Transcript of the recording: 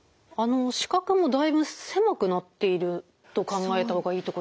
視覚もだいぶ狭くなっていると考えた方がいいってことでしょうか？